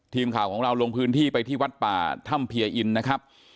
ทีมข่าวของเราลงพื้นที่ไปที่วัดป่าถ้ำเพียอินนะครับ